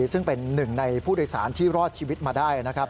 ซึ่งเป็นหนึ่งในผู้โดยสารที่รอดชีวิตมาได้นะครับ